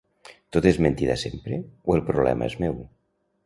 ¿Tot és mentida sempre, o el problema és meu?